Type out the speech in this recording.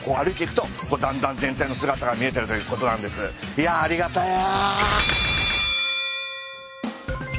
いやありがたや。